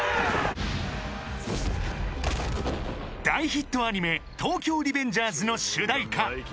［大ヒットアニメ『東京リベンジャーズ』の主題歌］